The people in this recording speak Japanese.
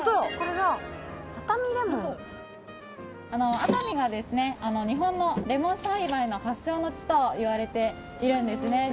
熱海がですね日本のレモン栽培の発祥の地と言われているんですね実は。